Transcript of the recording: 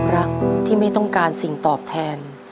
รักที่ไม่ต้องการสิ่งตอบแทน